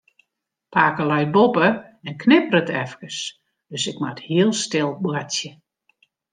Pake leit boppe en knipperet efkes, dus ik moat hiel stil boartsje.